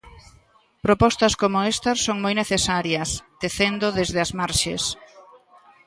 Propostas como estas son moi necesarias, tecendo desde as marxes.